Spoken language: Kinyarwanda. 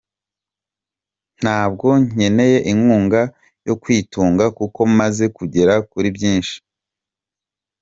Ntabwo nkeneye inkunga yo kwitunga kuko maze kugera kuri byinshi.